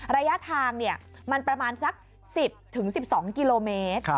ระยะทางมันประมาณสัก๑๐๑๒กิโลเมตร